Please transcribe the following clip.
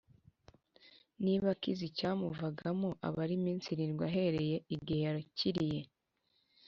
Niba akize icyamuvagamo abare iminsi irindwi ahereye igihe yakiriye